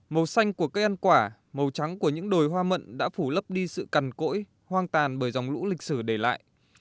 màu xanh của cây ăn quả màu trắng của những đồi hoa mận đã phủ lấp đi sự cằn cỗi hoang tàn bởi dòng lũ lịch sử để lại